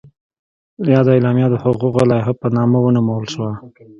یاده اعلامیه د حقوقو لایحه په نامه ونومول شوه.